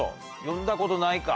読んだことないか。